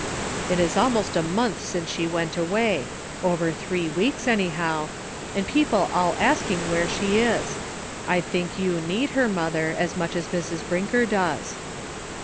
" It is almost a month since she went away — over three weeks, anyhow — and people all asking where she is! I think you need her, mother, as much as Mrs. Brinker does."